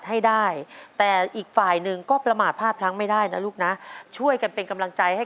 ให้ได้แต่อีกฝ่ายหนึ่งก็ประมาทภาพพลั้งไม่ได้นะลูกนะช่วยกันเป็นกำลังใจให้